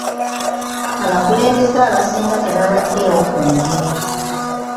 Abakulembeze abasinga tebabaddeewo ku mirimu.